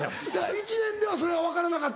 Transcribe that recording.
１年ではそれは分からなかった？